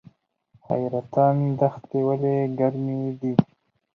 حیرتان دښتې ولې ګرمې دي؟